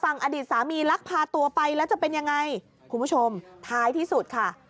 งุดหงิด